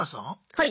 はい！